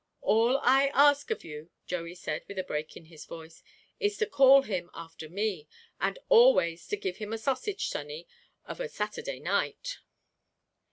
"All I ask of you," Joey said with a break in his voice, "is to call him after me, and always to give him a sausage, sonny, of a Saturday night."